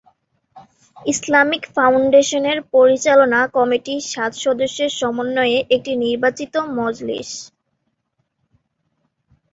Islamic ফাউন্ডেশনের পরিচালনা committee সাত সদস্যের সমন্বয়ে একটি নির্বাচিত "মজলিস"।